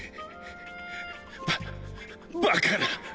ババカな！